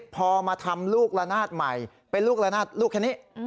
พอมาทำลูกละนาดใหม่เป็นลูกละนาดลูกแค่นี้